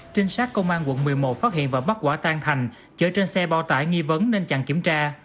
trinh sát công an quận một mươi một phát hiện và bắt quả tan thành chở trên xe bao tải nghi vấn nên chặn kiểm tra